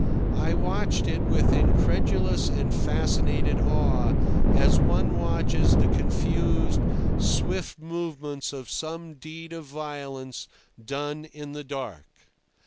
I watched it with incredulous and fascinated awe, as one watches the confused, swift movements of some deed of violence done in the dark.